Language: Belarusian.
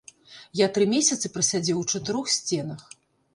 Я тры месяцы прасядзеў у чатырох сценах.